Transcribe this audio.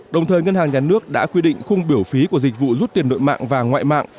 đồng thời ngân hàng nhà nước đã quy định khung biểu phí của dịch vụ rút tiền nội mạng và ngoại mạng